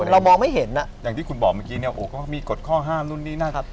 เรามองไม่เห็นนะอย่างที่คุณบอกเมื่อกี้เนี่ย